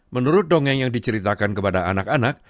menurut dongeng yang diceritakan kepada anak anak